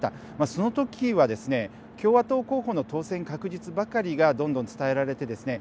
その時はですね、共和党候補の当選確実ばかりがどんどん伝えられてですね